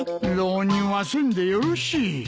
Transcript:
浪人はせんでよろしい。